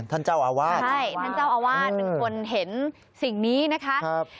ท่านเจ้าอาวาสคุณคุณเห็นสิ่งนี้นะคะครับ